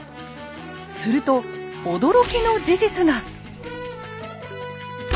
すると驚きの事実が。